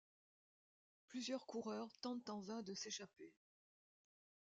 Plusieurs coureurs tentent en vain de s'échapper.